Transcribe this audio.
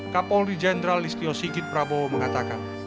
kapolri jenderal listio sigit prabowo mengatakan